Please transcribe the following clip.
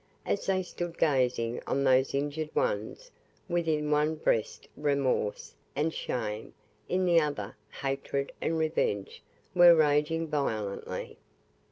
As they stood gazing on those injured ones, within one breast remorse and shame, in the other, hatred and revenge, were raging violently.